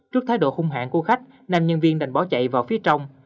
trước thái độ hung hãng của khách nam nhân viên đành bỏ chạy vào phía trong